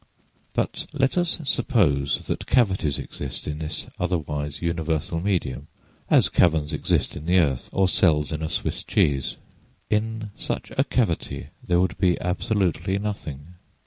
But let us suppose that cavities exist in this otherwise universal medium, as caverns exist in the earth, or cells in a Swiss cheese. In such a cavity there would be absolutely nothing.